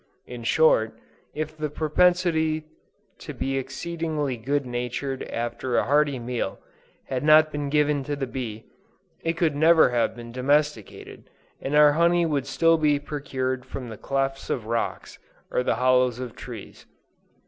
In short, if the propensity to be exceedingly good natured after a hearty meal, had not been given to the bee, it could never have been domesticated, and our honey would still be procured from the clefts of rocks, or the hollows of trees.